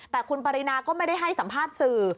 แต่คุณปรินาก็ไม่ได้ให้สัมภาษณ์สื่อ